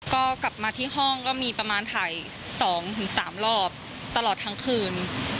ก็กลับมาที่ห้องก็มีประมาณถ่าย๒๓รอบตลอดทั้งคืน